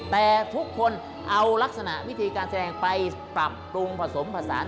แต่ทุกคนเอาลักษณะวิธีการแสดงไปปรับปรุงผสมผสาน